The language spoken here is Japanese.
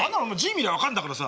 見りゃ分かんだからさ。